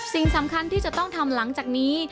สิ่งสำคัญที่จะต้องทำหลังจากนี้